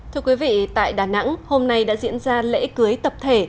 thưa quý vị tại đà nẵng hôm nay đã diễn ra lễ cưới tập thể